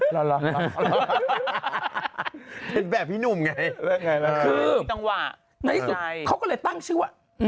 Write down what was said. ให้แบบนี่นุ่มไงที่ตั้งว่าไหมก็เลยตั้งชื่อว่าชี้แปลก